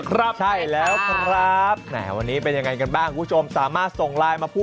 ครับใช่แล้วครับแหมวันนี้เป็นยังไงกันบ้าง